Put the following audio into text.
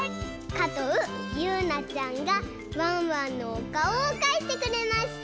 かとうゆうなちゃんがワンワンのおかおをかいてくれました。